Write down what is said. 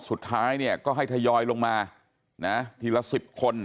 สุดท้ายเนี่ยก็ให้ทยอยลงมาทีละ๑๐คน